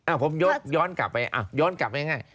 อ้าวผมย้อนกลับไปย้อนกลับไปง่าย